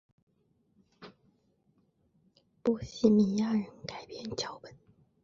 波希米亚人改编脚本。